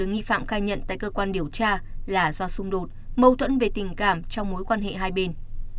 nghi phạm khai nhận tại cơ quan điều tra là do xung đột mâu thuẫn về tình cảm trong mối quan hệ hai bên